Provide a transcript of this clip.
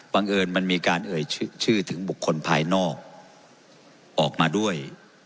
เอิญมันมีการเอ่ยชื่อถึงบุคคลภายนอกออกมาด้วย